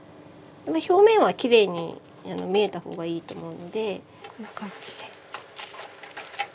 表面はきれいに見えた方がいいと思うのでこんな感じで。